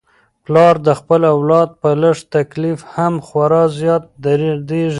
پلار د خپل اولاد په لږ تکلیف هم خورا زیات دردیږي.